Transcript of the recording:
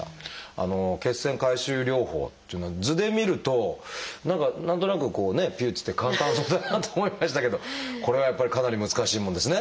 あの血栓回収療法っていうのは図で見ると何か何となくこうねピュっつって簡単そうだなと思いましたけどこれはやっぱりかなり難しいもんですね。